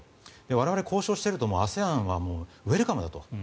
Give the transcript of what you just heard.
我々、交渉しているとＡＳＥＡＮはウェルカムだと。